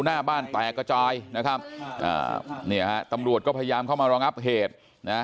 หน้าบ้านแตกกระจายนะครับอ่าเนี่ยฮะตำรวจก็พยายามเข้ามารองับเหตุนะ